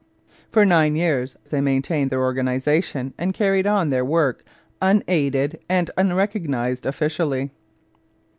For nine years they maintained their organization and carried on their work unaided and unrecognized officially.